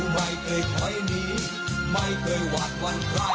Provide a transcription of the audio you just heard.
ไม่เคยไหนไม่เคยหวัดวันใคร